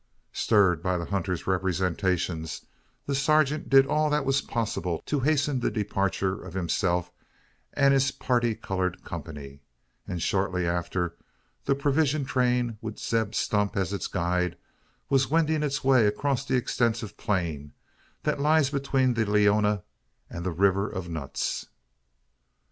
Stirred by the hunter's representation, the sergeant did all that was possible to hasten the departure of himself and his parti coloured company; and, shortly after, the provision train, with Zeb Stump as its guide, was wending its way across the extensive plain that lies between the Leona and the "River of Nuts."